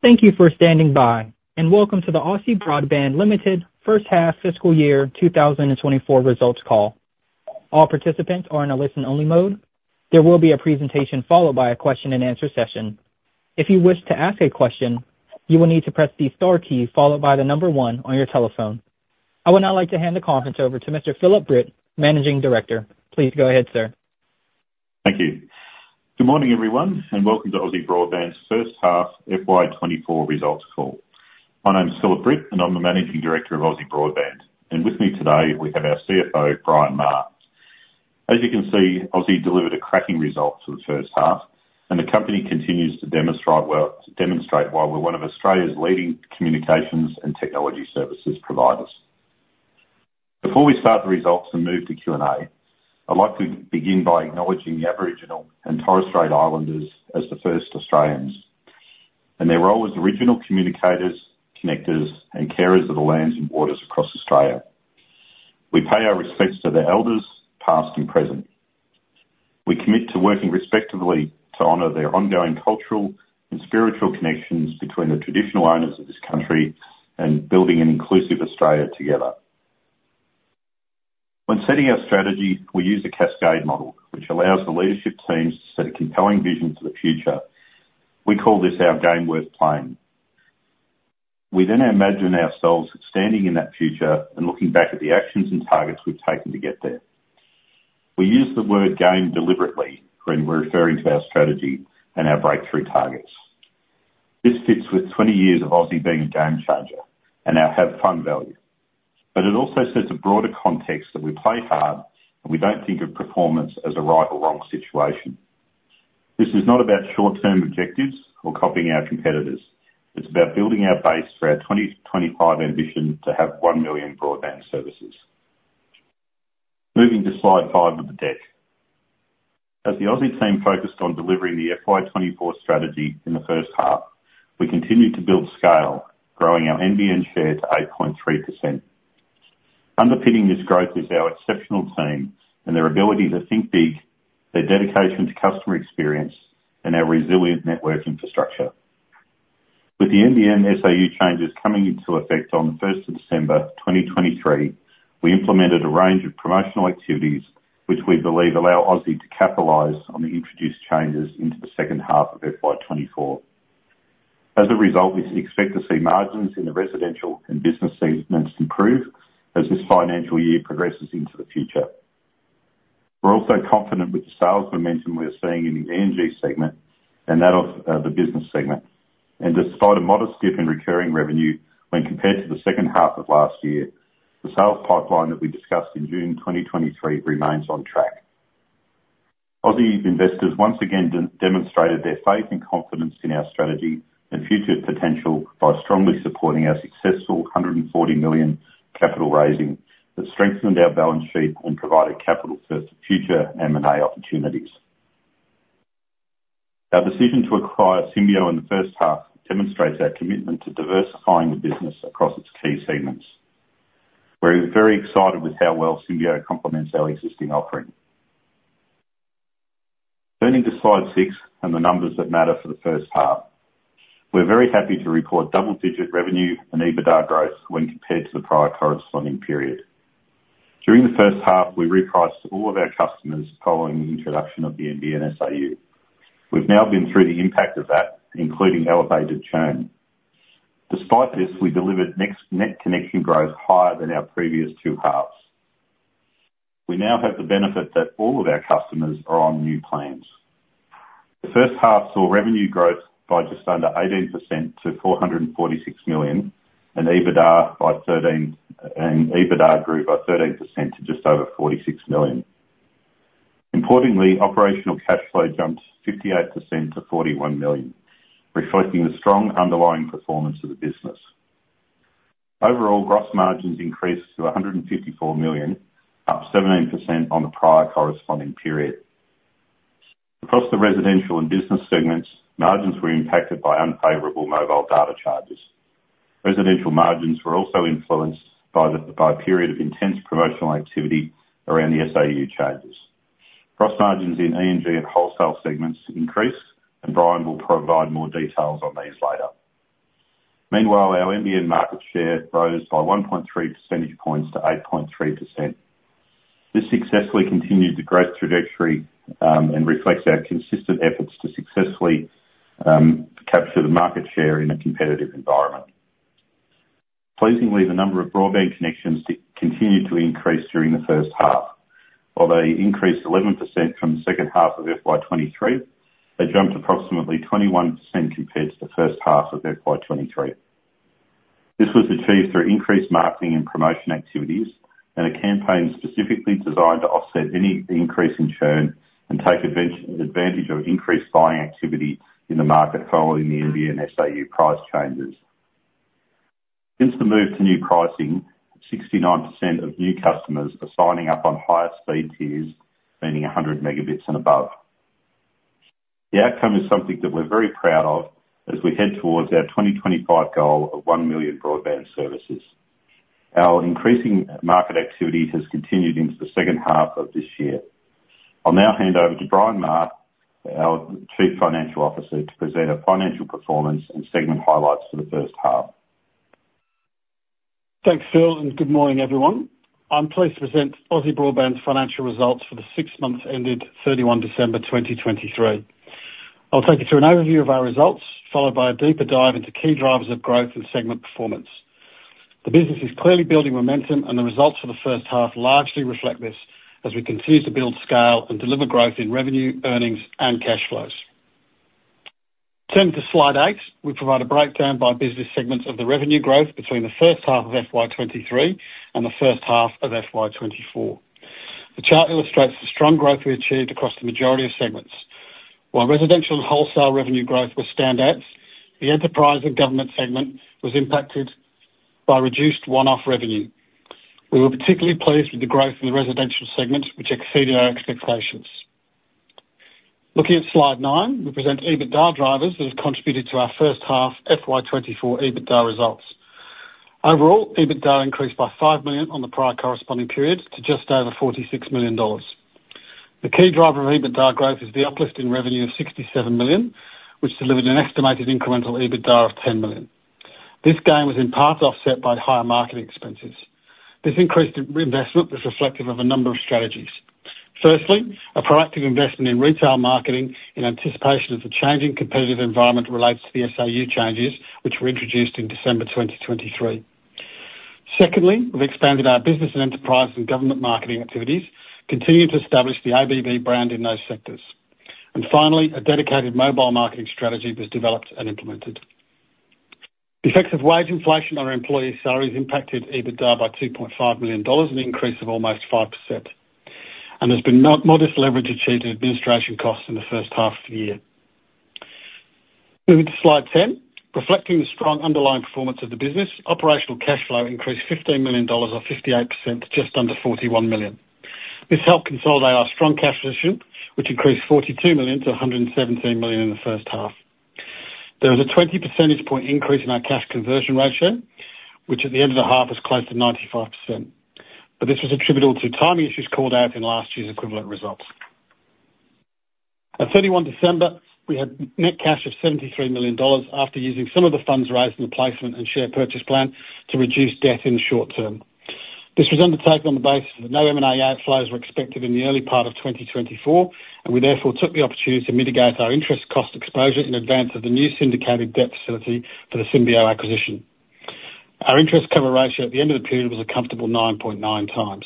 Thank you for standing by, and Welcome to the Aussie Broadband Limited First-Half Fiscal year 2024 results call. All participants are in a listen-only mode. There will be a presentation followed by a question-and-answer session. If you wish to ask a question, you will need to press the star key followed by the number one on your telephone. I would now like to hand the conference over to Mr. Phillip Britt, Managing Director. Please go ahead, sir. Thank you. Good morning, everyone, and welcome to Aussie Broadband's first-half FY 2024 results call. My name's Phillip Britt, and I'm the Managing Director of Aussie Broadband. With me today, we have our CFO, Brian Maher. As you can see, Aussie delivered a cracking result for the first half, and the company continues to demonstrate why we're one of Australia's leading communications and technology services providers. Before we start the results and move to Q&A, I'd like to begin by acknowledging the Aboriginal and Torres Strait Islanders as the First Australians and their role as original communicators, connectors, and carers of the lands and waters across Australia. We pay our respects to their Elders, past and present. We commit to working respectfully to honour their ongoing cultural and spiritual connections between the Traditional Owners of this country and building an inclusive Australia together. When setting our strategy, we use a cascade model which allows the leadership teams to set a compelling vision for the future. We call this our Game Worth Playing. We then imagine ourselves standing in that future and looking back at the actions and targets we've taken to get there. We use the word game deliberately when we're referring to our strategy and our breakthrough targets. This fits with 20 years of Aussie being a game-changer and our Have Fun value. But it also sets a broader context that we play hard, and we don't think of performance as a right or wrong situation. This is not about short-term objectives or copying our competitors. It's about building our base for our 2025 ambition to have one million broadband services. Moving to slide five of the deck. As the Aussie team focused on delivering the FY 2024 strategy in the first half, we continued to build scale, growing our NBN share to 8.3%. Underpinning this growth is our exceptional team and their ability to think big, their dedication to customer experience, and our resilient network infrastructure. With the NBN SAU changes coming into effect on the 1st of December 2023, we implemented a range of promotional activities which we believe allow Aussie to capitalize on the introduced changes into the second half of FY 2024. As a result, we expect to see margins in the residential and business segments improve as this financial year progresses into the future. We're also confident with the sales momentum we are seeing in the E&G segment and that of the business segment. Despite a modest dip in recurring revenue when compared to the second half of last year, the sales pipeline that we discussed in June 2023 remains on track. Aussie investors once again demonstrated their faith and confidence in our strategy and future potential by strongly supporting our successful 140 million capital raising that strengthened our balance sheet and provided capital for future M&A opportunities. Our decision to acquire Symbio in the first half demonstrates our commitment to diversifying the business across its key segments. We're very excited with how well Symbio complements our existing offering. Turning to slide six and the numbers that matter for the first half. We're very happy to report double-digit revenue and EBITDA growth when compared to the prior corresponding period. During the first half, we repriced all of our customers following the introduction of the NBN SAU. We've now been through the impact of that, including elevated churn. Despite this, we delivered net connection growth higher than our previous two halves. We now have the benefit that all of our customers are on new plans. The first half saw revenue growth by just under 18% to 446 million, and EBITDA grew by 13% to just over 46 million. Importantly, operational cash flow jumped 58% to 41 million, reflecting the strong underlying performance of the business. Overall, gross margins increased to 154 million, up 17% on the prior corresponding period. Across the residential and business segments, margins were impacted by unfavorable mobile data charges. Residential margins were also influenced by a period of intense promotional activity around the SAU changes. Gross margins in E&G and wholesale segments increased, and Brian will provide more details on these later. Meanwhile, our NBN market share rose by 1.3 percentage points to 8.3%. This successfully continued the growth trajectory and reflects our consistent efforts to successfully capture the market share in a competitive environment. Pleasingly, the number of broadband connections continued to increase during the first half. While they increased 11% from the second half of FY 2023, they jumped approximately 21% compared to the first half of FY 2023. This was achieved through increased marketing and promotion activities and a campaign specifically designed to offset any increase in churn and take advantage of increased buying activity in the market following the NBN SAU price changes. Since the move to new pricing, 69% of new customers are signing up on higher speed tiers, meaning 100 Mbps and above. The outcome is something that we're very proud of as we head towards our 2025 goal of 1 million broadband services. Our increasing market activity has continued into the second half of this year. I'll now hand over to Brian Maher, our Chief Financial Officer, to present our financial performance and segment highlights for the first half. Thanks, Phil, and good morning, everyone. I'm pleased to present Aussie Broadband's financial results for the six months ended 31 December 2023. I'll take you through an overview of our results followed by a deeper dive into key drivers of growth and segment performance. The business is clearly building momentum, and the results for the first half largely reflect this as we continue to build scale and deliver growth in revenue, earnings, and cash flows. Turning to slide eight, we provide a breakdown by business segments of the revenue growth between the first half of FY 2023 and the first half of FY 2024. The chart illustrates the strong growth we achieved across the majority of segments. While residential and wholesale revenue growth were standouts, the enterprise and government segment was impacted by reduced one-off revenue. We were particularly pleased with the growth in the residential segment, which exceeded our expectations. Looking at slide nine, we present EBITDA drivers that have contributed to our first half FY 2024 EBITDA results. Overall, EBITDA increased by 5 million on the prior corresponding period to just over 46 million dollars. The key driver of EBITDA growth is the uplift in revenue of 67 million, which delivered an estimated incremental EBITDA of 10 million. This gain was in part offset by higher marketing expenses. This increased investment was reflective of a number of strategies. Firstly, a proactive investment in retail marketing in anticipation of the changing competitive environment related to the SAU changes, which were introduced in December 2023. Secondly, we've expanded our business and enterprise and government marketing activities, continuing to establish the ABB brand in those sectors. And finally, a dedicated mobile marketing strategy was developed and implemented. The effects of wage inflation on our employees' salaries impacted EBITDA by 2.5 million dollars, an increase of almost 5%, and there's been modest leverage achieved in administration costs in the first half of the year. Moving to slide 10, reflecting the strong underlying performance of the business, operational cash flow increased 15 million dollars or 58% to just under 41 million. This helped consolidate our strong cash position, which increased 42 million to 117 million in the first half. There was a 20 percentage point increase in our cash conversion ratio, which at the end of the half was close to 95%. But this was attributable to timing issues called out in last year's equivalent results. On 31 December, we had net cash of 73 million dollars after using some of the funds raised in the placement and share purchase plan to reduce debt in the short term. This was undertaken on the basis that no M&A outflows were expected in the early part of 2024, and we therefore took the opportunity to mitigate our interest cost exposure in advance of the new syndicated debt facility for the Symbio acquisition. Our interest cover ratio at the end of the period was a comfortable 9.9x.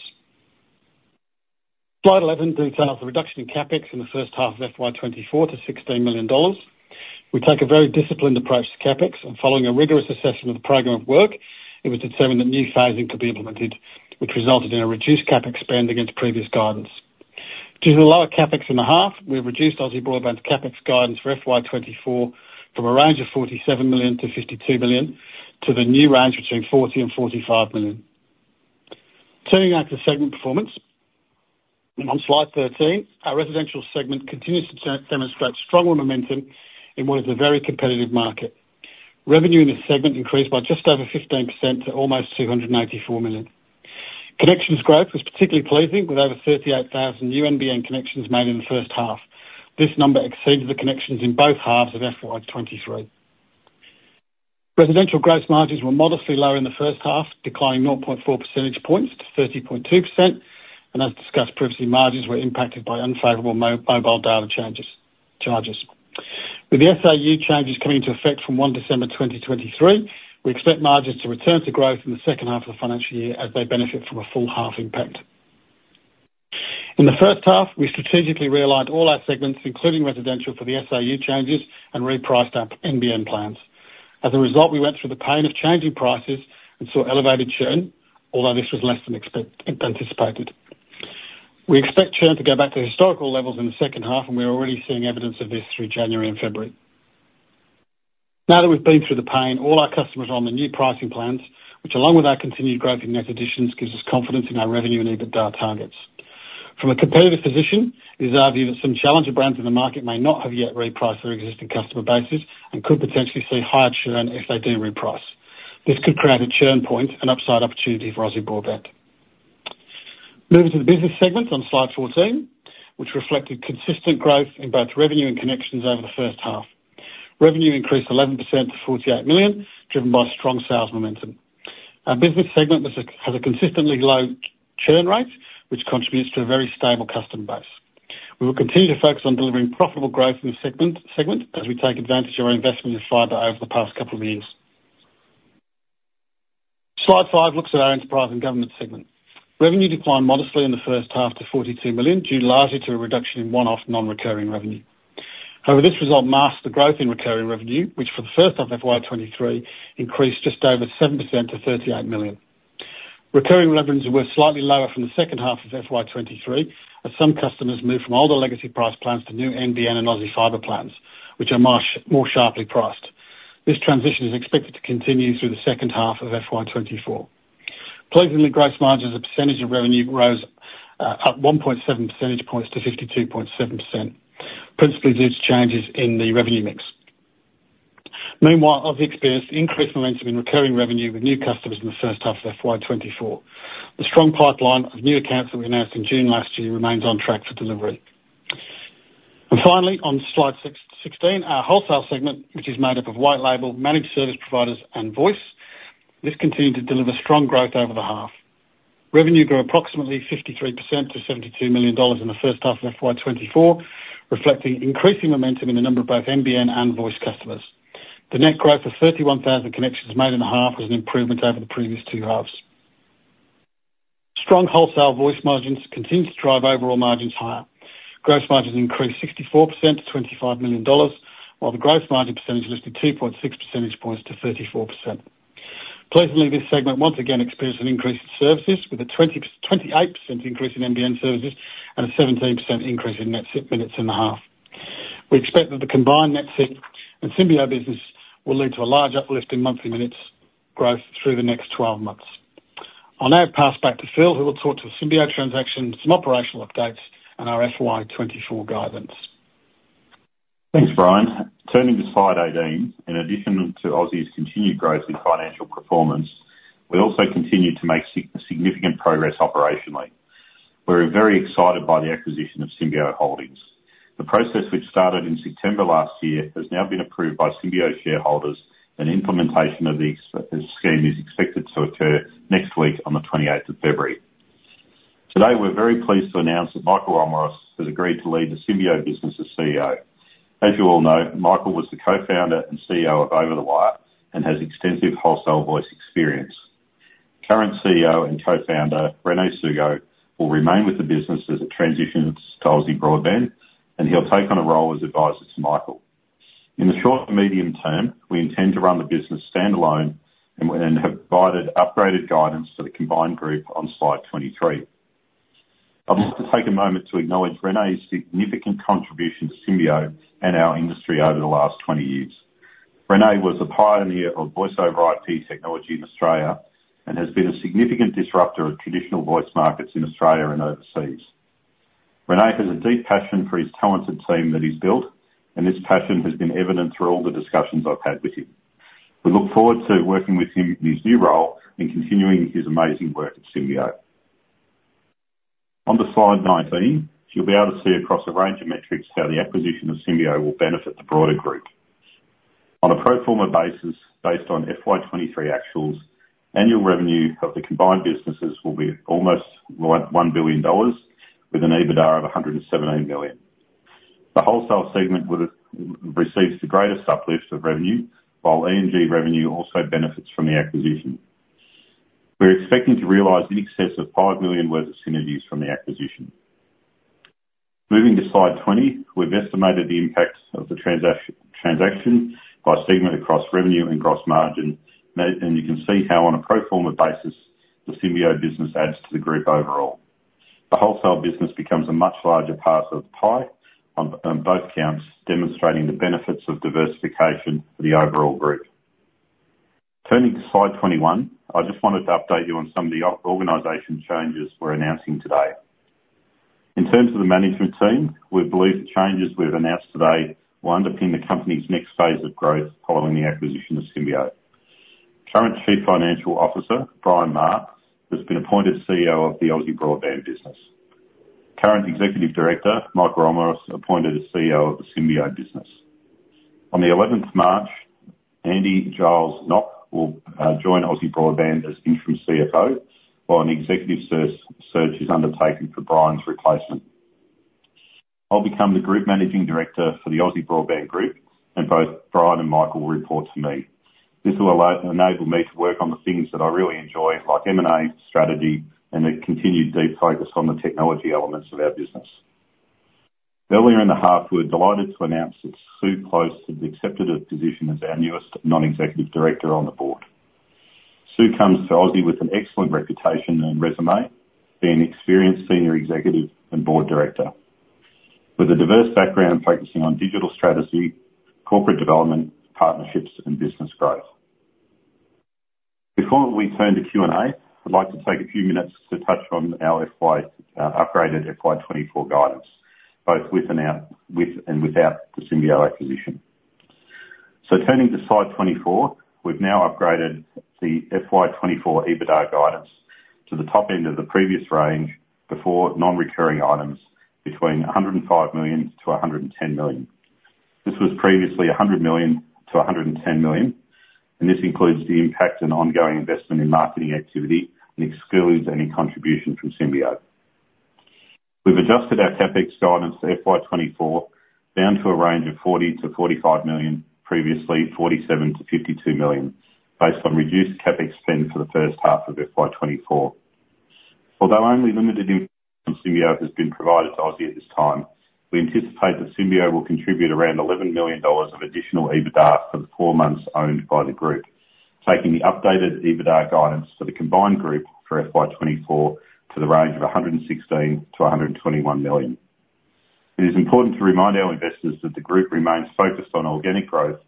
Slide 11 details the reduction in CapEx in the first half of FY 2024 to AUD 16 million. We take a very disciplined approach to CapEx, and following a rigorous assessment of the program of work, it was determined that new phasing could be implemented, which resulted in a reduced CapEx spend against previous guidance. Due to the lower CapEx in the half, we've reduced Aussie Broadband's CapEx guidance for FY 2024 from a range of 47 million-52 million to the new range between 40 million and 45 million. Turning back to segment performance, on slide 13, our residential segment continues to demonstrate stronger momentum in what is a very competitive market. Revenue in this segment increased by just over 15% to almost 284 million. Connections growth was particularly pleasing, with over 38,000 NBN connections made in the first half. This number exceeded the connections in both halves of FY 2023. Residential gross margins were modestly lower in the first half, declining 0.4 percentage points to 30.2%. And as discussed previously, margins were impacted by unfavorable mobile data charges. With the SAU changes coming into effect from 1 December 2023, we expect margins to return to growth in the second half of the financial year as they benefit from a full-half impact. In the first half, we strategically realigned all our segments, including residential, for the SAU changes and repriced our NBN plans. As a result, we went through the pain of changing prices and saw elevated churn, although this was less than anticipated. We expect churn to go back to historical levels in the second half, and we're already seeing evidence of this through January and February. Now that we've been through the pain, all our customers are on the new pricing plans, which, along with our continued growth in net additions, gives us confidence in our revenue and EBITDA targets. From a competitive position, it is our view that some challenger brands in the market may not have yet repriced their existing customer bases and could potentially see higher churn if they do reprice. This could create a churn point, an upside opportunity for Aussie Broadband. Moving to the business segments on slide 14, which reflected consistent growth in both revenue and connections over the first half. Revenue increased 11% to 48 million, driven by strong sales momentum. Our business segment has a consistently low churn rate, which contributes to a very stable customer base. We will continue to focus on delivering profitable growth in the segment as we take advantage of our investment in Fibre over the past couple of years. Slide five looks at our enterprise and government segment. Revenue declined modestly in the first half to 42 million due largely to a reduction in one-off non-recurring revenue. However, this result masked the growth in recurring revenue, which for the first half of FY 2023 increased just over 7% to 38 million. Recurring revenues were slightly lower from the second half of FY 2023 as some customers moved from older legacy price plans to new NBN and Aussie Fibre plans, which are more sharply priced. This transition is expected to continue through the second half of FY 2024. Pleasingly, gross margins, a percentage of revenue, rose up 1.7 percentage points to 52.7%, principally due to changes in the revenue mix. Meanwhile, Aussie experienced increased momentum in recurring revenue with new customers in the first half of FY 2024. The strong pipeline of new accounts that we announced in June last year remains on track for delivery. Finally, on slide 16, our wholesale segment, which is made up of white label, managed service providers, and voice, this continued to deliver strong growth over the half. Revenue grew approximately 53% to 72 million dollars in the first half of FY 2024, reflecting increasing momentum in the number of both NBN and voice customers. The net growth of 31,000 connections made in the half was an improvement over the previous two halves. Strong wholesale voice margins continue to drive overall margins higher. Gross margins increased 64% to 25 million dollars, while the gross margin percentage lifted 2.6 percentage points to 34%. Pleasingly, this segment once again experienced an increase in services, with a 28% increase in NBN services and a 17% increase in net minutes in the half. We expect that the combined NetSIP and Symbio business will lead to a large uplift in monthly minutes growth through the next 12 months. I'll now pass back to Phil, who will talk to Symbio transaction, some operational updates, and our FY 2024 guidance. Thanks, Brian. Turning to slide 18, in addition to Aussie's continued growth in financial performance, we also continue to make significant progress operationally. We're very excited by the acquisition of Symbio Holdings. The process, which started in September last year, has now been approved by Symbio shareholders, and implementation of the scheme is expected to occur next week on the 28th of February. Today, we're very pleased to announce that Michael Omeros has agreed to lead the Symbio business as CEO. As you all know, Michael was the co-founder and CEO of Over the Wire and has extensive wholesale voice experience. Current CEO and co-founder, Rene Sugo, will remain with the business as it transitions to Aussie Broadband, and he'll take on a role as advisor to Michael. In the short and medium term, we intend to run the business standalone and have provided upgraded guidance to the combined group on slide 23. I'd like to take a moment to acknowledge Rene's significant contribution to Symbio and our industry over the last 20 years. Rene was a pioneer of Voice over IP technology in Australia and has been a significant disruptor of traditional voice markets in Australia and overseas. Rene has a deep passion for his talented team that he's built, and this passion has been evident through all the discussions I've had with him. We look forward to working with him in his new role and continuing his amazing work at Symbio. Onto slide 19. You'll be able to see across a range of metrics how the acquisition of Symbio will benefit the broader group. On a pro forma basis, based on FY 2023 actuals, annual revenue of the combined businesses will be almost 1 billion dollars, with an EBITDA of 117 million. The wholesale segment receives the greatest uplift of revenue, while E&G revenue also benefits from the acquisition. We're expecting to realize in excess of AUD 5 million worth of synergies from the acquisition. Moving to slide 20, we've estimated the impact of the transaction by segment across revenue and gross margin, and you can see how, on a pro forma basis, the Symbio business adds to the group overall. The wholesale business becomes a much larger part of the pie on both counts, demonstrating the benefits of diversification for the overall group. Turning to slide 21, I just wanted to update you on some of the organization changes we're announcing today. In terms of the management team, we believe the changes we've announced today will underpin the company's next phase of growth following the acquisition of Symbio. Current Chief Financial Officer, Brian Maher, has been appointed CEO of the Aussie Broadband business. Current Executive Director, Michael Omeros, appointed as CEO of the Symbio business. On the 11th of March, Andy Giles Knopp will join Aussie Broadband as interim CFO, while an executive search is undertaken for Brian's replacement. I'll become the Group Managing Director for the Aussie Broadband Group, and both Brian and Michael will report to me. This will enable me to work on the things that I really enjoy, like M&A strategy and a continued deep focus on the technology elements of our business. Earlier in the half, we were delighted to announce that Sue Klose had accepted a position as our newest non-executive director on the board. Sue comes to Aussie with an excellent reputation and resume, being an experienced senior executive and board director with a diverse background focusing on digital strategy, corporate development, partnerships, and business growth. Before we turn to Q&A, I'd like to take a few minutes to touch on our upgraded FY 2024 guidance, both with and without the Symbio acquisition. So turning to slide 24, we've now upgraded the FY 2024 EBITDA guidance to the top end of the previous range before non-recurring items between 105 million-110 million. This was previously 100 million-110 million, and this includes the impact and ongoing investment in marketing activity and excludes any contribution from Symbio. We've adjusted our CapEx guidance for FY 2024 down to a range of 40 million-45 million, previously 47 million-52 million, based on reduced CapEx spend for the first half of FY 2024. Although only limited info on Symbio has been provided to Aussie at this time, we anticipate that Symbio will contribute around AUD 11 million of additional EBITDA for the four months owned by the group, taking the updated EBITDA guidance for the combined group for FY 2024 to the range of 116 million-121 million. It is important to remind our investors that the group remains focused on organic growth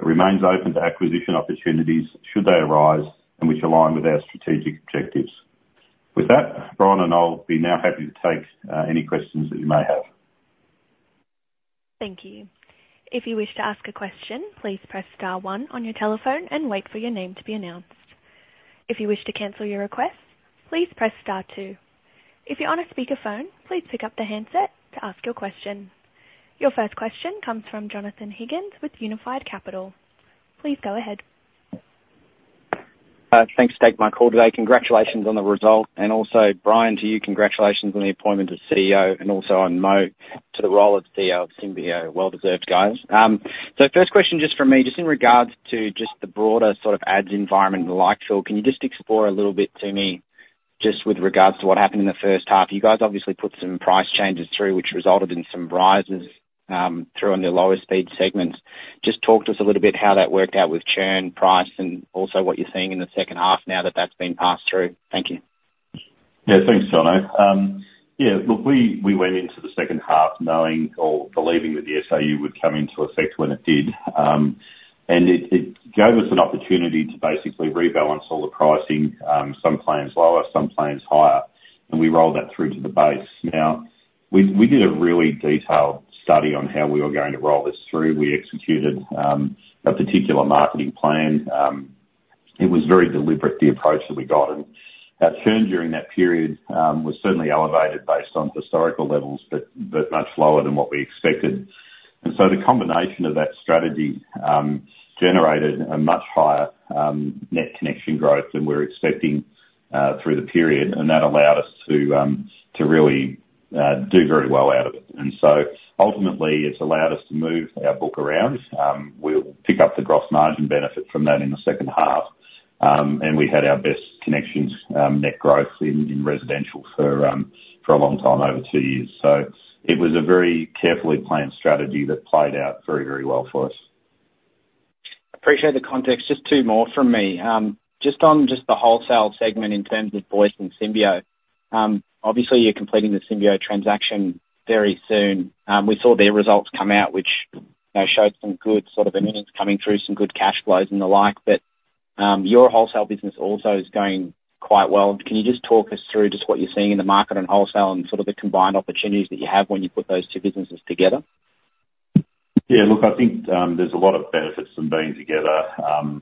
but remains open to acquisition opportunities should they arise and which align with our strategic objectives. With that, Brian and I'll be now happy to take any questions that you may have. Thank you. If you wish to ask a question, please press star one on your telephone and wait for your name to be announced. If you wish to cancel your request, please press star two. If you're on a speakerphone, please pick up the handset to ask your question. Your first question comes from Jonathon Higgins with Unified Capital. Please go ahead. Thanks, to Michael, today. Congratulations on the result. Also, Brian, to you, congratulations on the appointment as CEO and also on Mo to the role of CEO of Symbio. Well-deserved, guys. So first question just from me, just in regards to just the broader sort of NBN environment, like, Phil, can you just explore a little bit to me just with regards to what happened in the first half? You guys obviously put some price changes through, which resulted in some rises through on your lower-speed segments. Just talk to us a little bit how that worked out with churn, price, and also what you're seeing in the second half now that that's been passed through. Thank you. Yeah. Thanks, Jono. Yeah. Look, we went into the second half knowing or believing that the SAU would come into effect when it did. It gave us an opportunity to basically rebalance all the pricing, some plans lower, some plans higher. We rolled that through to the base. Now, we did a really detailed study on how we were going to roll this through. We executed a particular marketing plan. It was very deliberate, the approach that we got. Our churn during that period was certainly elevated based on historical levels but much lower than what we expected. So the combination of that strategy generated a much higher net connection growth than we were expecting through the period. That allowed us to really do very well out of it. Ultimately, it's allowed us to move our book around. We'll pick up the gross margin benefit from that in the second half. We had our best connections net growth in residential for a long time, over two years. It was a very carefully planned strategy that played out very, very well for us. Appreciate the context. Just two more from me. Just on just the wholesale segment in terms of voice and Symbio, obviously, you're completing the Symbio transaction very soon. We saw their results come out, which showed some good sort of earnings coming through, some good cash flows and the like. But your wholesale business also is going quite well. Can you just talk us through just what you're seeing in the market on wholesale and sort of the combined opportunities that you have when you put those two businesses together? Yeah. Look, I think there's a lot of benefits from being together.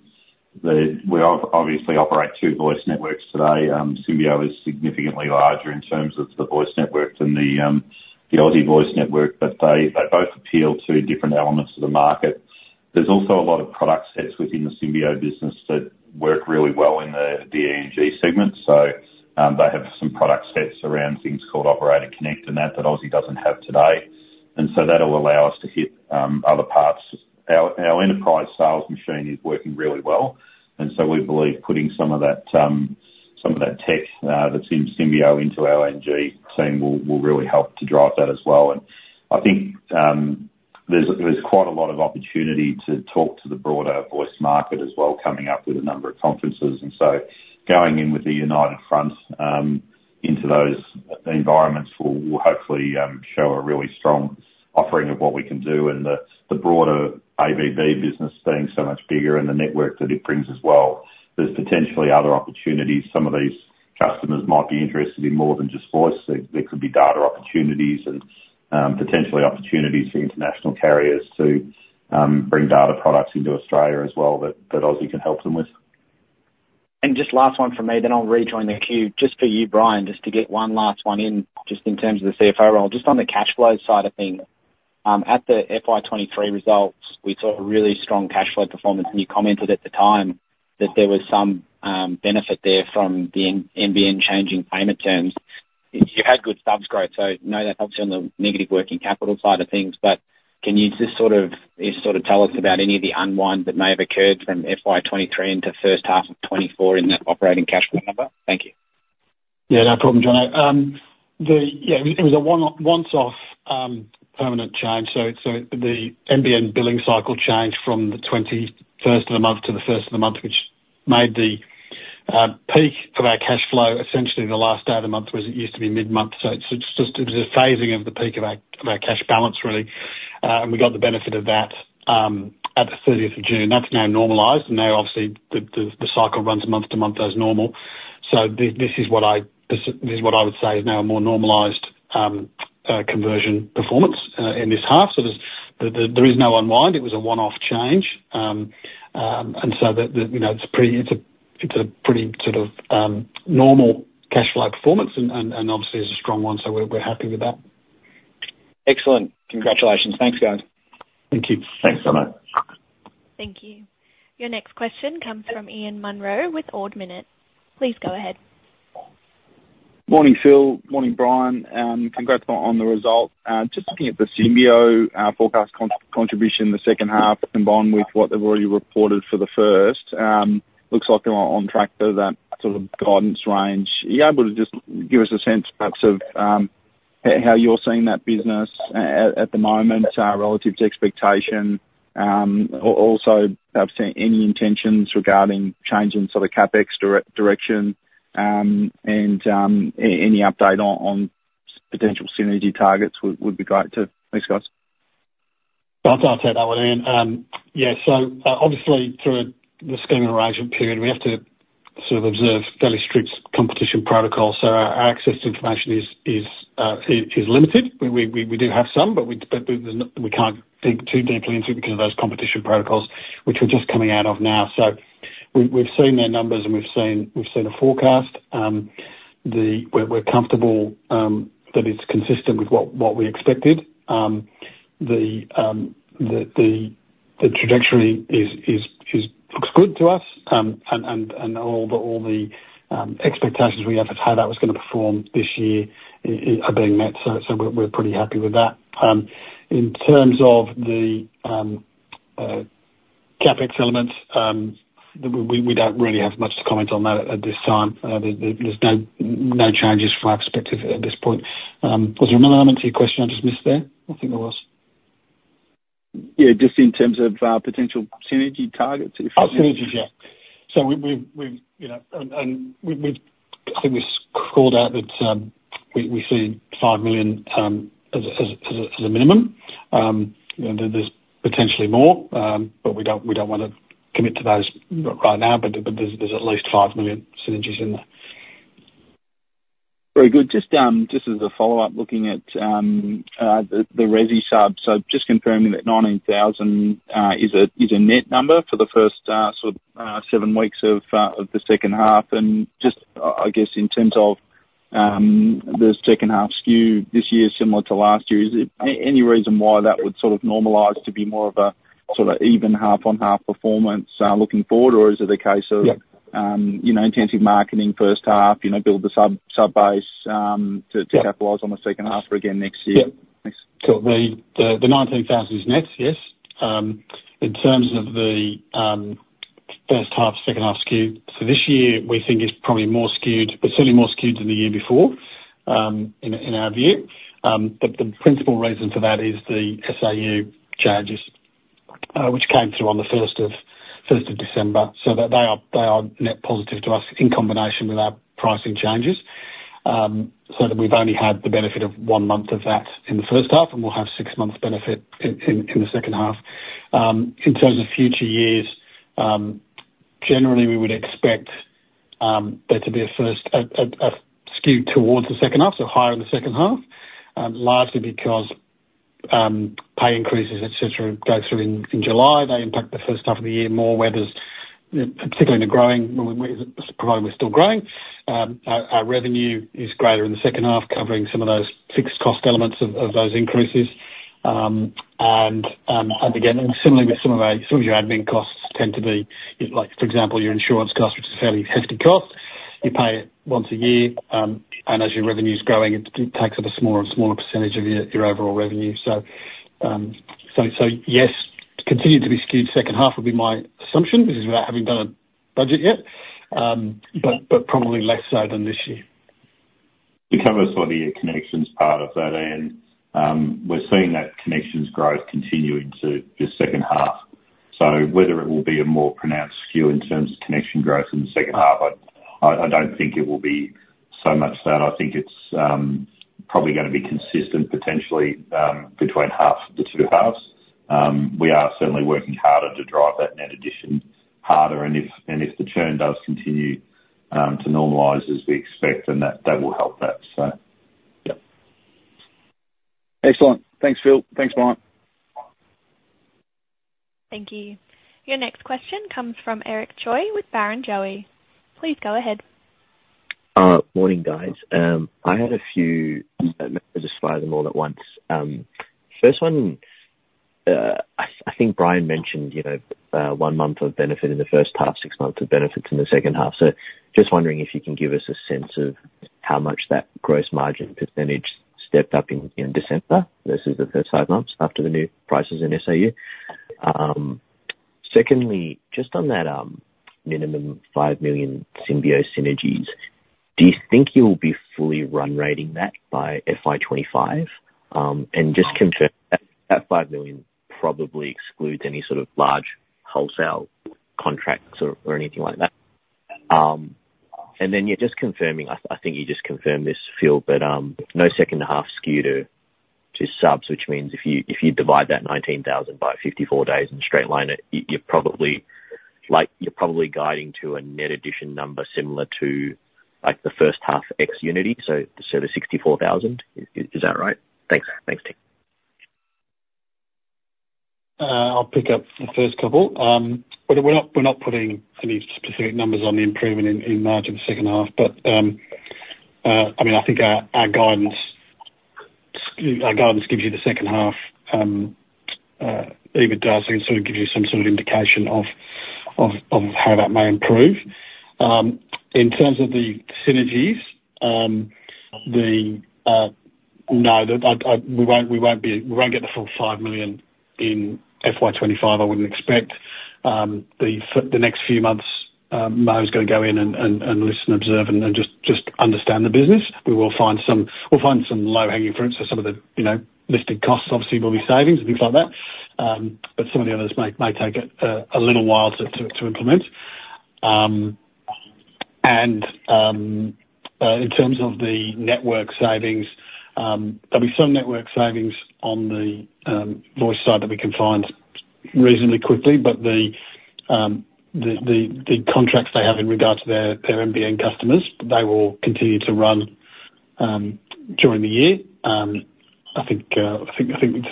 We obviously operate two voice networks today. Symbio is significantly larger in terms of the voice network than the Aussie voice network, but they both appeal to different elements of the market. There's also a lot of product sets within the Symbio business that work really well in the E&G segment. So they have some product sets around things called Operator Connect and that that Aussie doesn't have today. And so that'll allow us to hit other parts. Our enterprise sales machine is working really well. And so we believe putting some of that tech that's in Symbio into our E&G team will really help to drive that as well. And I think there's quite a lot of opportunity to talk to the broader voice market as well, coming up with a number of conferences. And so going in with the United Front into those environments will hopefully show a really strong offering of what we can do. And the broader ABB business being so much bigger and the network that it brings as well, there's potentially other opportunities. Some of these customers might be interested in more than just voice. There could be data opportunities and potentially opportunities for international carriers to bring data products into Australia as well that Aussie can help them with. And just last one from me, then I'll rejoin the queue. Just for you, Brian, just to get one last one in just in terms of the CFO role. Just on the cash flow side of things, at the FY 2023 results, we saw a really strong cash flow performance. And you commented at the time that there was some benefit there from the NBN changing payment terms. You've had good subs growth. So no, that helps you on the negative working capital side of things. But can you just sort of tell us about any of the unwind that may have occurred from FY 2023 into first half of 2024 in that operating cash flow number? Thank you. Yeah. No problem, Jono. Yeah. It was a once-off permanent change. So the NBN billing cycle changed from the 21st of the month to the 1st of the month, which made the peak of our cash flow essentially the last day of the month, whereas it used to be mid-month. So it was a phasing of the peak of our cash balance, really. And we got the benefit of that at the 30th of June. That's now normalized. And now, obviously, the cycle runs month to month as normal. So this is what I would say is now a more normalized conversion performance in this half. So there is no unwind. It was a one-off change. And so it's a pretty sort of normal cash flow performance. And obviously, it's a strong one. So we're happy with that. Excellent. Congratulations. Thanks, guys. Thank you. Thanks, Jono. Thank you. Your next question comes from Ian Munro with Ord Minnett. Please go ahead. Morning, Phil. Morning, Brian. Congrats on the result. Just looking at the Symbio forecast contribution the second half combined with what they've already reported for the first, looks like they're on track to that sort of guidance range. Are you able to just give us a sense, perhaps, of how you're seeing that business at the moment relative to expectation? Also, perhaps, any intentions regarding change in sort of CapEx direction and any update on potential synergy targets would be great too. Thanks, guys. I can't take that one, Ian. Yeah. So obviously, through the scheme and arrangement period, we have to sort of observe fairly strict competition protocols. So our access to information is limited. We do have some, but we can't dig too deeply into it because of those competition protocols, which we're just coming out of now. So we've seen their numbers, and we've seen a forecast. We're comfortable that it's consistent with what we expected. The trajectory looks good to us. And all the expectations we have as to how that was going to perform this year are being met. So we're pretty happy with that. In terms of the CapEx elements, we don't really have much to comment on that at this time. There's no changes from our perspective at this point. Was there another element to your question I just missed there? I think there was. Yeah. Just in terms of potential synergy targets, if. Oh, synergies, yeah. So I think we've called out that we see 5 million as a minimum. There's potentially more, but we don't want to commit to those right now. But there's at least 5 million synergies in there. Very good. Just as a follow-up, looking at the resi subs, so just confirming that 19,000 is a net number for the first sort of seven weeks of the second half. And just, I guess, in terms of the second-half skew this year similar to last year, is there any reason why that would sort of normalise to be more of a sort of even half-on-half performance looking forward? Or is it a case of intensive marketing first half, build the sub base to capitalise on the second half again next year? Yeah. So the 19,000 is net, yes, in terms of the first-half, second-half skew. So this year, we think it's probably certainly more skewed than the year before in our view. The principal reason for that is the SAU changes, which came through on the 1st of December. So they are net positive to us in combination with our pricing changes so that we've only had the benefit of one month of that in the first half, and we'll have six-month benefit in the second half. In terms of future years, generally, we would expect there to be a skew towards the second half, so higher in the second half, largely because pay increases, etc., go through in July. They impact the first half of the year more, particularly in the growing provided we're still growing. Our revenue is greater in the second half, covering some of those fixed-cost elements of those increases. And again, similarly, some of your admin costs tend to be, for example, your insurance cost, which is a fairly hefty cost. You pay it once a year. And as your revenue's growing, it takes up a smaller percentage of your overall revenue. So yes, continued to be skewed second half would be my assumption. This is without having done a budget yet, but probably less so than this year. You covered sort of the connections part of that, Ian. We're seeing that connections growth continue into the second half. So whether it will be a more pronounced skew in terms of connection growth in the second half, I don't think it will be so much that. I think it's probably going to be consistent, potentially, between half the two halves. We are certainly working harder to drive that net addition harder. And if the churn does continue to normalise as we expect, then that will help that, so. Yeah. Excellent. Thanks, Phil. Thanks, Brian. Thank you. Your next question comes from Eric Choi with Barrenjoey. Please go ahead. Morning, guys. I had a few – just five or more at once. First one, I think Brian mentioned one month of benefit in the first half, six months of benefits in the second half. So just wondering if you can give us a sense of how much that gross margin percentage stepped up in December versus the first five months after the new prices in SAU. Secondly, just on that minimum 5 million Symbio synergies, do you think you'll be fully run-rating that by FY 2025? And just confirming that 5 million probably excludes any sort of large wholesale contracts or anything like that. And then, yeah, just confirming. I think you just confirmed this, Phil, but no second-half skew to subs, which means if you divide that 19,000 by 54 days and straight-line it, you're probably guiding to a net addition number similar to the first-half ex-Uniti, so the 64,000. Is that right? Thanks. Thanks, Phil. I'll pick up the first couple. We're not putting any specific numbers on the improvement in margin second half. But I mean, I think our guidance gives you the second half. Even DAS sort of gives you some sort of indication of how that may improve. In terms of the synergies, no, we won't get the full 5 million in FY 2025, I wouldn't expect. The next few months, Mo is going to go in and listen and observe and just understand the business. We'll find some low-hanging fruit. So some of the listed costs, obviously, will be savings and things like that. But some of the others may take a little while to implement. And in terms of the network savings, there'll be some network savings on the voice side that we can find reasonably quickly. But the contracts they have in regard to their NBN customers, they will continue to run during the year, I think, for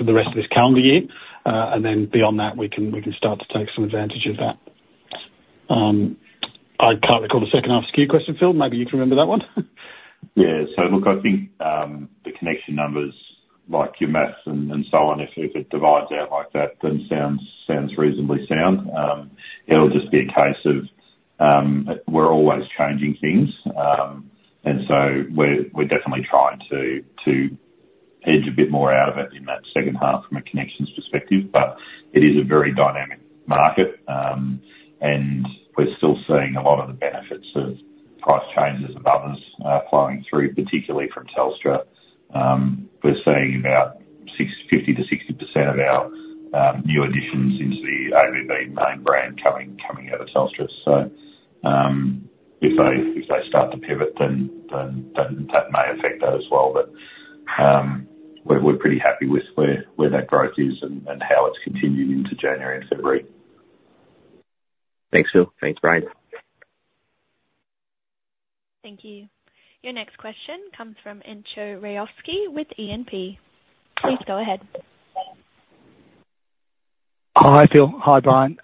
the rest of this calendar year. And then beyond that, we can start to take some advantage of that. I can't recall the second-half skew question, Phil. Maybe you can remember that one. Yeah. So look, I think the connection numbers, like your maths and so on, if it divides out like that, then sounds reasonably sound. It'll just be a case of we're always changing things. And so we're definitely trying to hedge a bit more out of it in that second half from a connections perspective. But it is a very dynamic market. And we're still seeing a lot of the benefits of price changes of others flowing through, particularly from Telstra. We're seeing about 50%-60% of our new additions into the ABB main brand coming out of Telstra. So if they start to pivot, then that may affect that as well. But we're pretty happy with where that growth is and how it's continued into January and February. Thanks, Phil. Thanks, Brian. Thank you. Your next question comes from Entcho Raykovski with E&P. Please go ahead. Hi, Phil. Hi, Brian.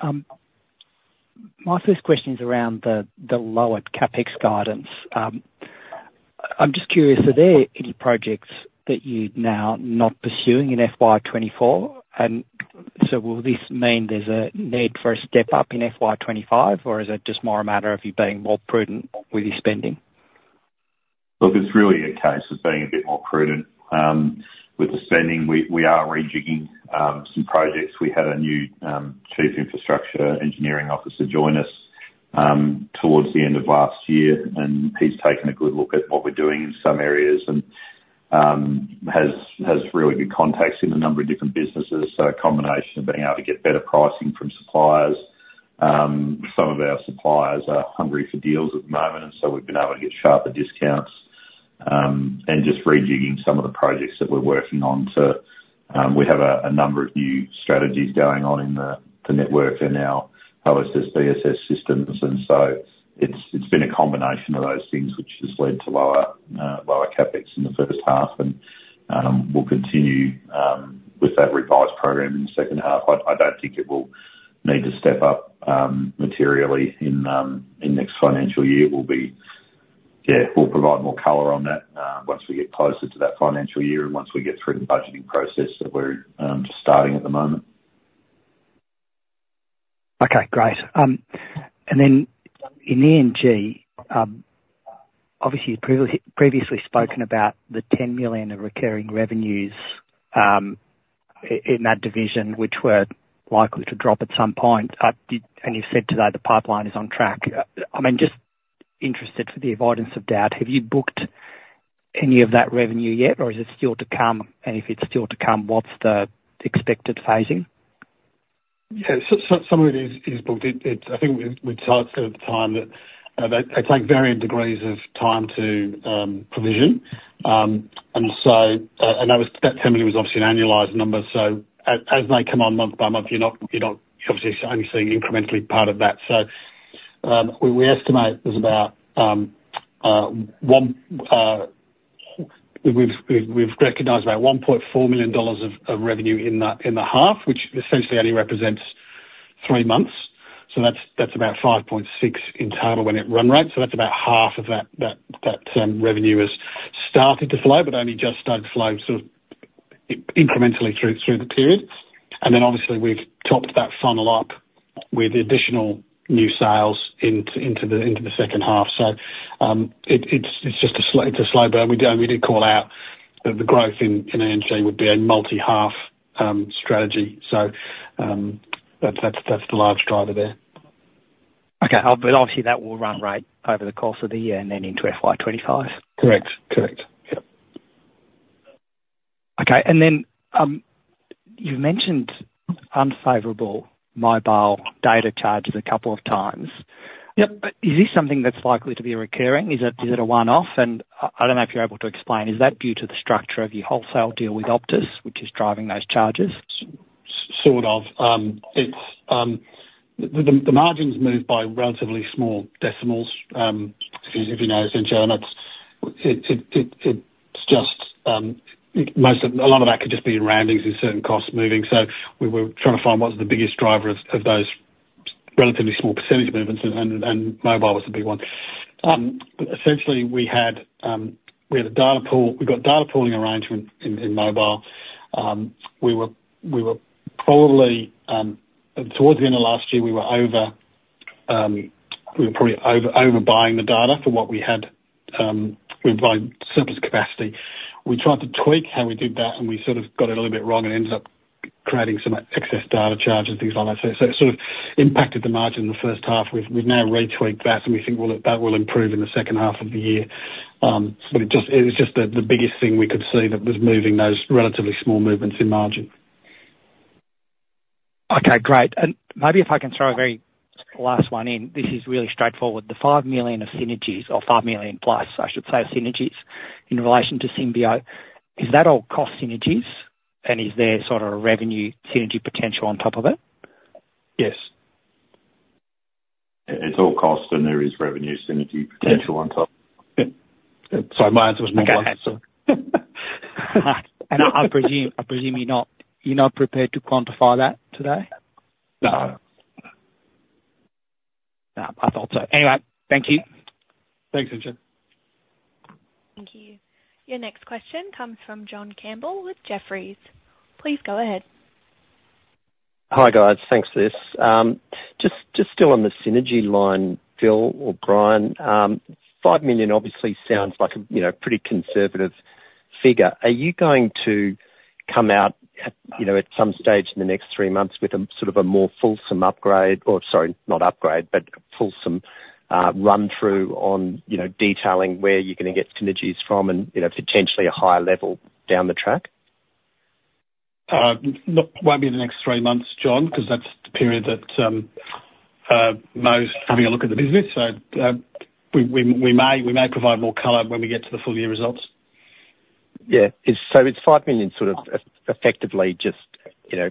My first question is around the lower CapEx guidance. I'm just curious, are there any projects that you're now not pursuing in FY 2024? And so will this mean there's a need for a step up in FY 2025, or is it just more a matter of you being more prudent with your spending? Look, it's really a case of being a bit more prudent with the spending. We are rejigging some projects. We had a new Chief Infrastructure Engineering Officer join us toward the end of last year. He's taken a good look at what we're doing in some areas and has really good contacts in a number of different businesses. A combination of being able to get better pricing from suppliers. Some of our suppliers are hungry for deals at the moment. We've been able to get sharper discounts and just rejigging some of the projects that we're working on to we have a number of new strategies going on in the network and our OSS/BSS systems. It's been a combination of those things, which has led to lower CapEx in the first half. We'll continue with that revised program in the second half. I don't think it will need to step up materially in next financial year. Yeah, we'll provide more color on that once we get closer to that financial year and once we get through the budgeting process that we're just starting at the moment. Okay. Great. And then in E&G, obviously, you've previously spoken about the 10 million of recurring revenues in that division, which were likely to drop at some point. And you've said today the pipeline is on track. I mean, just interested for the avoidance of doubt, have you booked any of that revenue yet, or is it still to come? And if it's still to come, what's the expected phasing? Yeah. Some of it is booked. I think we'd started at the time that they take varying degrees of time to provision. And that AUD 10 million was obviously an annualized number. So as they come on month by month, you're not obviously only seeing incrementally part of that. So we estimate there's about we've recognized about 1.4 million dollars of revenue in the half, which essentially only represents three months. So that's about 5.6 million in total when it run rates. So that's about half of that revenue has started to flow but only just started to flow sort of incrementally through the period. And then, obviously, we've topped that funnel up with additional new sales into the second half. So it's just a slow burn. We did call out that the growth in E&G would be a multi-half strategy. So that's the large driver there. Okay. But obviously, that will run right over the course of the year and then into FY 2025? Correct. Correct. Yeah. Okay. And then you've mentioned unfavorable mobile data charges a couple of times. Is this something that's likely to be recurring? Is it a one-off? And I don't know if you're able to explain. Is that due to the structure of your wholesale deal with Optus, which is driving those charges? Sort of. The margins move by relatively small decimals, you know, essentially. And it's just a lot of that could just be roundings in certain costs moving. So we were trying to find what's the biggest driver of those relatively small percentage movements. And mobile was the big one. But essentially, we had a data pool. We got data pooling arrangement in mobile. We were probably towards the end of last year, we were probably overbuying the data for what we had we were buying surplus capacity. We tried to tweak how we did that, and we sort of got it a little bit wrong and ended up creating some excess data charges, things like that. So it sort of impacted the margin in the first half. We've now retweaked that, and we think that will improve in the second half of the year. But it's just the biggest thing we could see that was moving those relatively small movements in margin. Okay. Great. And maybe if I can throw a very last one in, this is really straightforward. The 5 million of synergies or 5 million+, I should say, synergies in relation to Symbio, is that all cost synergies? And is there sort of a revenue synergy potential on top of it? Yes. It's all cost, and there is revenue synergy potential on top. Yeah. Sorry. My answer was more blank, so. Okay. And I presume you're not prepared to quantify that today? No. No. I thought so. Anyway, thank you. Thanks, Entcho. Thank you. Your next question comes from John Campbell with Jefferies. Please go ahead. Hi, guys. Thanks for this. Just still on the synergy line, Phil or Brian, 5 million obviously sounds like a pretty conservative figure. Are you going to come out at some stage in the next three months with sort of a more fulsome upgrade or sorry, not upgrade, but a fulsome run-through on detailing where you're going to get synergies from and potentially a higher level down the track? It won't be in the next three months, John, because that's the period that most having a look at the business. So we may provide more color when we get to the full-year results. Yeah. So it's 5 million sort of effectively just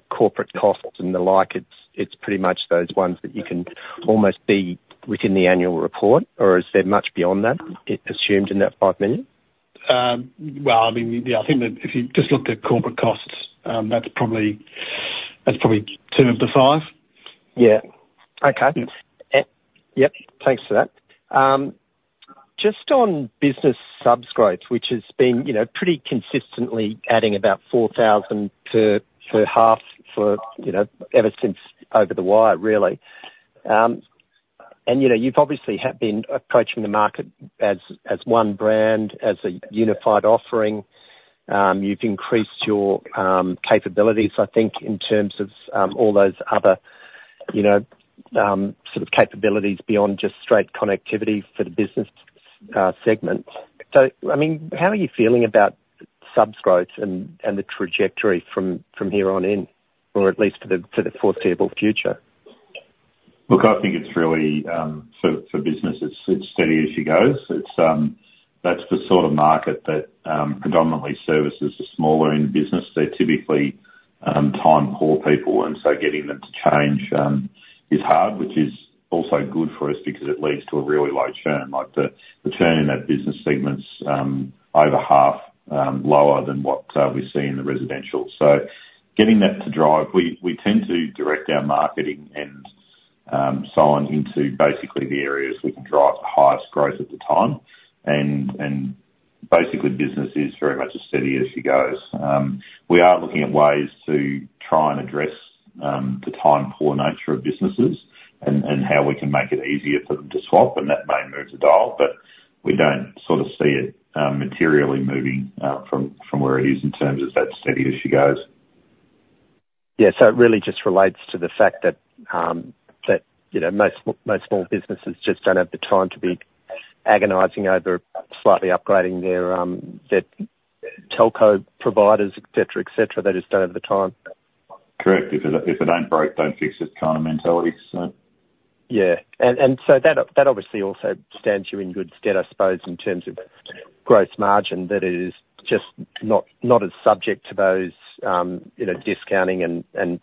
corporate costs and the like. It's pretty much those ones that you can almost see within the annual report. Or is there much beyond that assumed in that 5 million? Well, I mean, yeah, I think that if you just looked at corporate costs, that's probably two of the five. Yeah. Okay. Yep. Thanks for that. Just on business subs growth, which has been pretty consistently adding about 4,000 per half ever since Over the Wire, really. And you've obviously been approaching the market as one brand, as a unified offering. You've increased your capabilities, I think, in terms of all those other sort of capabilities beyond just straight connectivity for the business segment. So I mean, how are you feeling about subs growth and the trajectory from here on in, or at least for the foreseeable future? Look, I think it's really for business, it's steady as you go. That's the sort of market that predominantly services the smaller end of business. They're typically time-poor people. And so getting them to change is hard, which is also good for us because it leads to a really low churn. The churn in that business segment's over half lower than what we see in the residential. So getting that to drive, we tend to direct our marketing and so on into basically the areas we can drive the highest growth at the time. And basically, business is very much as steady as you go. We are looking at ways to try and address the time-poor nature of businesses and how we can make it easier for them to swap. And that may move the dial. But we don't sort of see it materially moving from where it is in terms of that steady as you go. Yeah. So it really just relates to the fact that most small businesses just don't have the time to be agonizing over slightly upgrading their telco providers, etc., etc., that just don't have the time. Correct. If it ain't broke, don't fix it kind of mentality, so. Yeah. And so that obviously also stands you in good stead, I suppose, in terms of gross margin that is just not as subject to those discounting and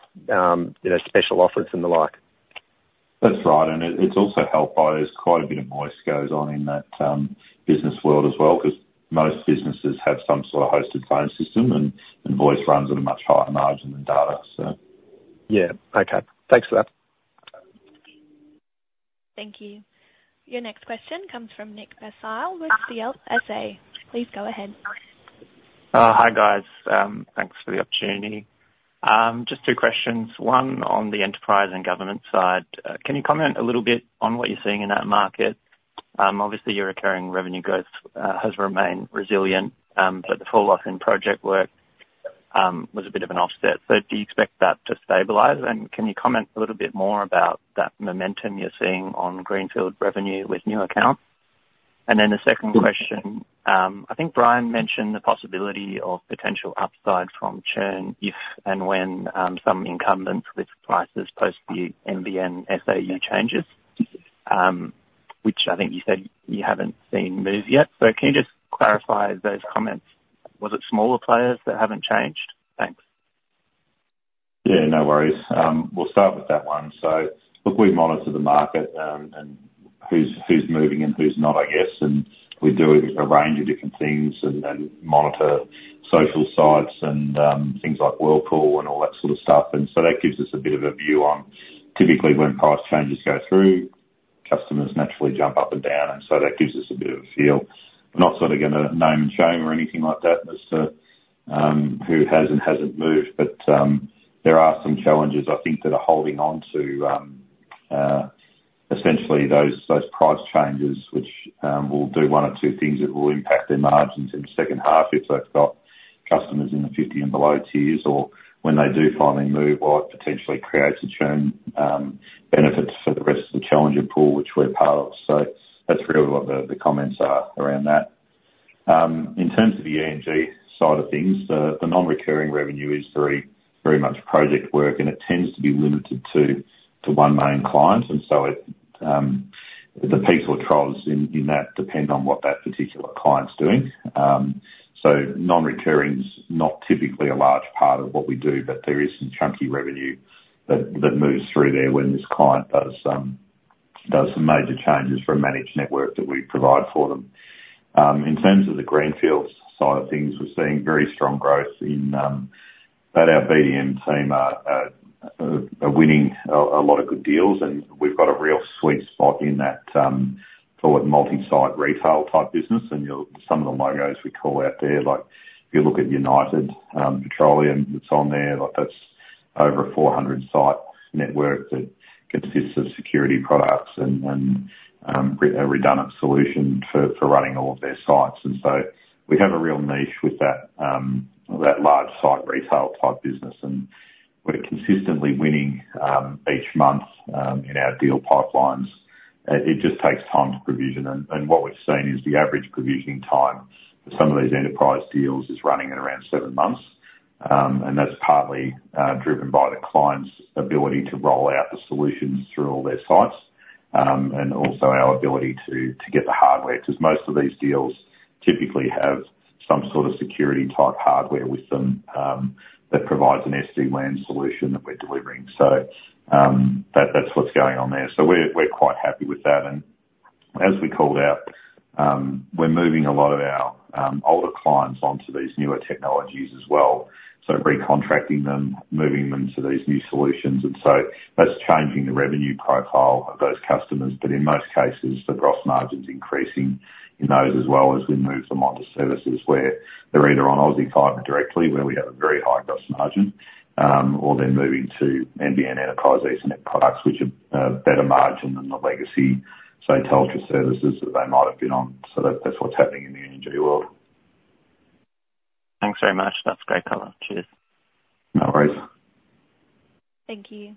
special offers and the like. That's right. And it's also helped by there's quite a bit of voice goes on in that business world as well because most businesses have some sort of hosted phone system, and voice runs at a much higher margin than data, so. Yeah. Okay. Thanks for that. Thank you. Your next question comes from Nick Basile with CLSA. Please go ahead. Hi, guys. Thanks for the opportunity. Just two questions. One on the enterprise and government side. Can you comment a little bit on what you're seeing in that market? Obviously, your recurring revenue growth has remained resilient, but the fall-off in project work was a bit of an offset. So do you expect that to stabilize? And can you comment a little bit more about that momentum you're seeing on greenfield revenue with new accounts? And then the second question, I think Brian mentioned the possibility of potential upside from churn if and when some incumbents with prices post the NBN/SAU changes, which I think you said you haven't seen move yet. So can you just clarify those comments? Was it smaller players that haven't changed? Thanks. Yeah. No worries. We'll start with that one. So look, we monitor the market and who's moving and who's not, I guess. And we do a range of different things and monitor social sites and things like Whirlpool and all that sort of stuff. And so that gives us a bit of a view on typically when price changes go through, customers naturally jump up and down. And so that gives us a bit of a feel. I'm not sort of going to name and shame or anything like that as to who has and hasn't moved. But there are some challenges, I think, that are holding onto essentially those price changes, which will do one or two things that will impact their margins in the second half if they've got customers in the 50 Mbps and below tiers. Or when they do finally move, what potentially creates a churn benefit for the rest of the challenger pool, which we're part of. So that's really what the comments are around that. In terms of the NBN side of things, the non-recurring revenue is very much project work, and it tends to be limited to one main client. So the peaks or troubles in that depend on what that particular client's doing. Non-recurring's not typically a large part of what we do, but there is some chunky revenue that moves through there when this client does some major changes for a managed network that we provide for them. In terms of the Greenfield side of things, we're seeing very strong growth in our BDM team, winning a lot of good deals. We've got a real sweet spot in that, call it, multi-site retail type business. Some of the logos we call out there, if you look at United Petroleum that's on there, that's over a 400-site network that consists of security products and a redundant solution for running all of their sites. So we have a real niche with that large site retail type business. And we're consistently winning each month in our deal pipelines. It just takes time to provision. And what we've seen is the average provisioning time for some of these enterprise deals is running at around seven months. And that's partly driven by the client's ability to roll out the solutions through all their sites and also our ability to get the hardware because most of these deals typically have some sort of security-type hardware with them that provides an SD-WAN solution that we're delivering. So that's what's going on there. So we're quite happy with that. As we called out, we're moving a lot of our older clients onto these newer technologies as well, sort of recontracting them, moving them to these new solutions. So that's changing the revenue profile of those customers. But in most cases, the gross margin's increasing in those as well as we move them onto services where they're either on Aussie Fibre directly, where we have a very high gross margin, or they're moving to NBN Enterprise Ethernet products, which have a better margin than the legacy, say, Telstra services that they might have been on. So that's what's happening in the E&G world. Thanks very much. That's great color. Cheers. No worries. Thank you.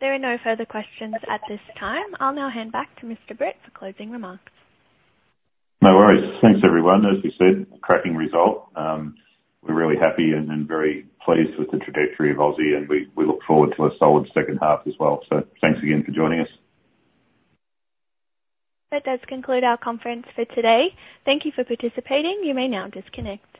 There are no further questions at this time. I'll now hand back to Mr. Britt for closing remarks. No worries. Thanks, everyone. As we said, cracking result. We're really happy and very pleased with the trajectory of Aussie. And we look forward to a solid second half as well. So thanks again for joining us. That does conclude our conference for today. Thank you for participating. You may now disconnect.